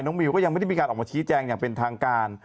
มิวก็ยังไม่ได้มีการออกมาชี้แจงอย่างเป็นทางการ